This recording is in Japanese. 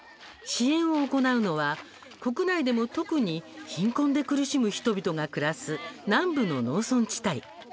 支援を行うのは国内でも特に貧困で苦しむ人々が暮らす南部の農村地帯。